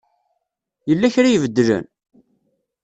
Yella kra ibeddlen?